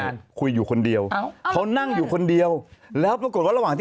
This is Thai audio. นกก็คือข้อยเนี่ยแหละหลังจากต้นเหตุการณ์